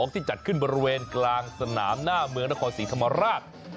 ที่จัดขึ้นบริเวณกลางสนามหน้าเมืองนครศรีธรรมราช